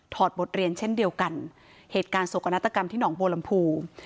ถอดบทเรียนเช่นเดียวกันเหตุการณ์สวกกับนัตรกรรมที่หนองโบรมภูมิ